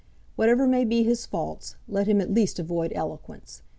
Whatever may be his faults, let him at least avoid eloquence.